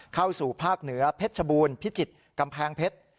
เข้าสู่ภาคเหนือเพชรชบูรณ์พิจิตรกำแพงเพชร